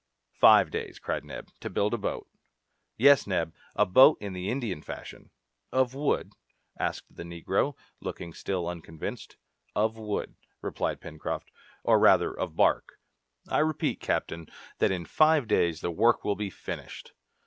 "Five days," cried Neb, "to build a boat?" "Yes, Neb; a boat in the Indian fashion." "Of wood?" asked the negro, looking still unconvinced. "Of wood," replied Pencroft, "or rather of bark. I repeat, captain, that in five days the work will be finished!"